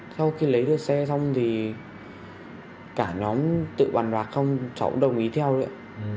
sau khi lấy được xe xong thì cả nhóm tự bàn bạc không cháu cũng đồng ý theo nữa